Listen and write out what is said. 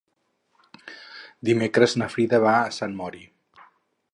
Dimecres na Frida va a Sant Mori.